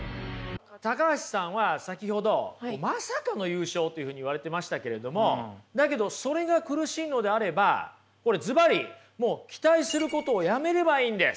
橋さんは先ほど「まさかの優勝」というふうに言われてましたけれどもだけどそれが苦しいのであればこれずばりもう期待することをやめればいいんです。